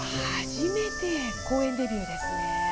初めて、公園デビューですね。